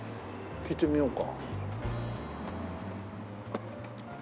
聞いてみようか。